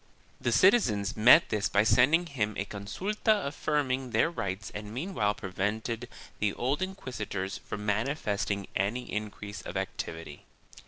3 The citizens met this by sending him a con sulta affirming their rights and meanwhile prevented the old inquisitors from manifesting any increase of activity.